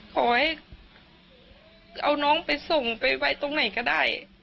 ขอให้เอาน้องไปส่งไปไว้ตรงไหนก็ได้